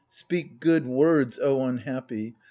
Speak good words, O unhappy